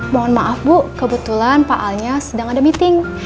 mohon maaf bu kebetulan pak alnya sedang ada meeting